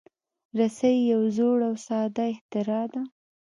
رسۍ یو زوړ او ساده اختراع ده.